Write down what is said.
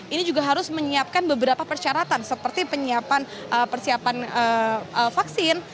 ini juga harus menyiapkan beberapa persyaratan seperti persiapan vaksin